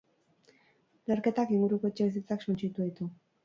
Leherketak inguruko etxebizitzak suntsitu ditu.